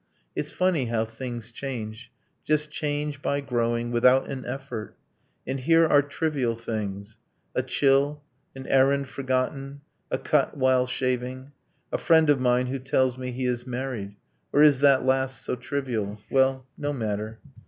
It's funny how things change, just change, by growing, Without an effort ... And here are trivial things, A chill, an errand forgotten, a cut while shaving; A friend of mine who tells me he is married ... Or is that last so trivial? Well, no matter!